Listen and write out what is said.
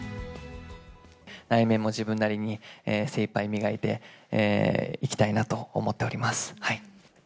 内面も自分なりに精いっぱい磨いていきたいなと思っております。